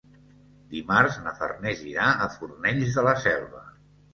Dimarts na Farners irà a Fornells de la Selva.